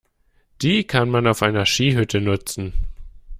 Die kann man auf einer Skihütte nutzen.